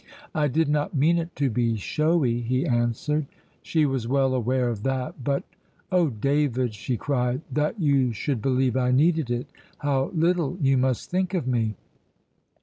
"I did not mean it to be showy," he answered. She was well aware of that, but "Oh, David," she cried, "that you should believe I needed it! How little you must think of me!"